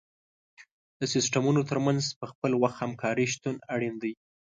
د سیستمونو تر منځ په خپل وخت همکاري شتون اړین دی.